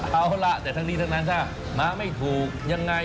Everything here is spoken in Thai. เอาล่ะแต่ทั้งนี้ทั้งนั้นถ้ามาไม่ถูกยังไง